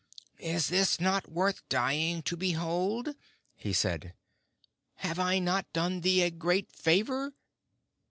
"Is this not worth dying to behold?" he said. "Have I not done thee a great favor?"